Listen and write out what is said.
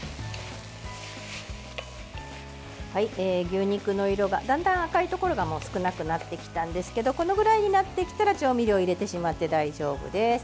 牛肉の色がだんだん赤いところが少なくなってきたんですけどこのぐらいになってきたら調味料を入れてしまって大丈夫です。